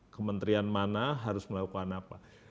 kementerian mana harus melakukan apa